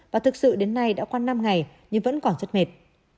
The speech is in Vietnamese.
và thực sự đến nay đã qua năm ngày nhưng vẫn còn rất mệt